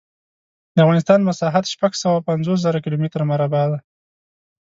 د افغانستان مسحت شپږ سوه پنځوس زره کیلو متره مربع دی.